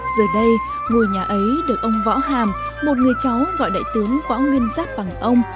giờ đây ngôi nhà ấy được ông võ hàm một người cháu gọi đại tướng võ nguyên giáp bằng ông